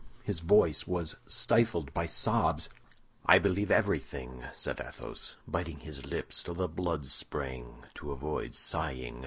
His voice was stifled by sobs. "I believe everything," said Athos, biting his lips till the blood sprang to avoid sighing.